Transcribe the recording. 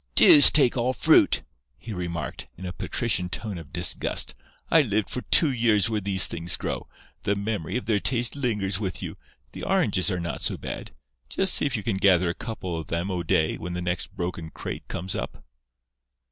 "Deuce take all fruit!" he remarked, in a patrician tone of disgust. "I lived for two years where these things grow. The memory of their taste lingers with you. The oranges are not so bad. Just see if you can gather a couple of them, O'Day, when the next broken crate comes up."